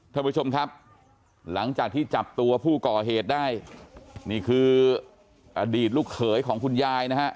ท่านผู้ชมครับหลังจากที่จับตัวผู้ก่อเหตุได้นี่คืออดีตลูกเขยของคุณยายนะฮะ